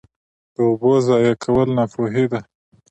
د اوبو ضایع کول ناپوهي ده.